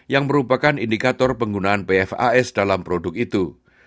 yang merupakan indikator penggunaan bfas dalam produk itu